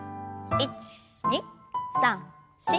１２３４。